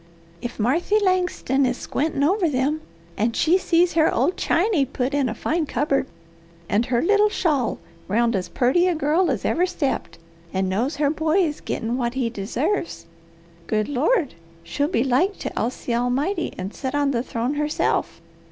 "If Marthy Langston is squintin' over them and she sees her old chany put in a fine cupboard, and her little shawl round as purty a girl as ever stepped, and knows her boy is gittin' what he deserves, good Lord, she'll be like to oust the Almighty, and set on the throne herself!